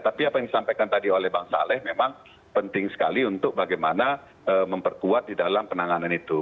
tapi apa yang disampaikan tadi oleh bang saleh memang penting sekali untuk bagaimana memperkuat di dalam penanganan itu